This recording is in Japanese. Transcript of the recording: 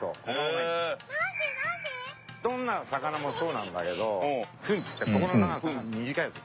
どんな魚もそうなんだけど吻っていってここの長さが短いやつ。